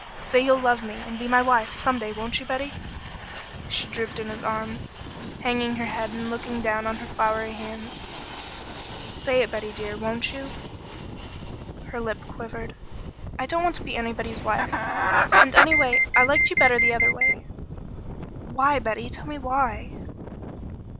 Say you'll love me and be my wife some day won't you, Betty?" She drooped in his arms, hanging her head and looking down on her floury hands. "Say it, Betty dear, won't you?" Her lip quivered. "I don't want to be anybody's wife and, anyway I liked you better the other way." "Why, Betty? Tell me why."